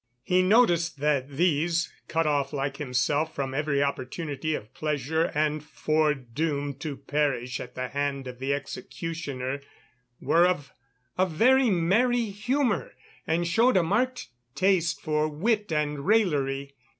He noticed that these, cut off like himself from every opportunity of pleasure and foredoomed to perish at the hand of the executioner, were of a very merry humour and showed a marked taste for wit and raillery.